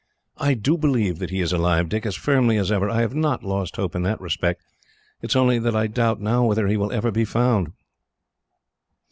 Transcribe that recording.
"I do believe that he is alive, Dick, as firmly as ever. I have not lost hope in that respect. It is only that I doubt now whether he will ever be found."